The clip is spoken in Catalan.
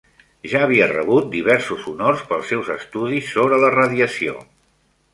Ja havia rebut diversos honors pels seus estudis sobre la radiació.